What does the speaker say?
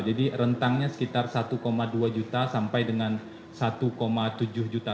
jadi rentangnya sekitar satu dua juta sampai dengan satu tujuh juta